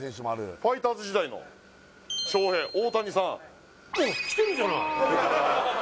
ファイターズ時代の翔平大谷さんあっ来てるじゃない